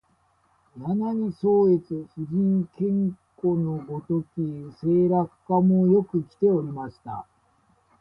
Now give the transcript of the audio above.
柳宗悦、夫人兼子のごとき声楽家もよくきておりました